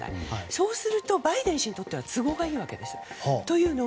そうするとバイデン氏にとっては都合がいいわけです。